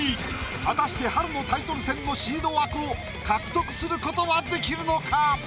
果たして春のタイトル戦のシード枠を獲得することはできるのか？